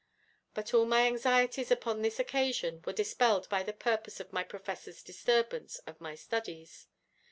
But all my anxieties upon this occasion were dispelled by the purpose of my Professor's disturbance of my studies.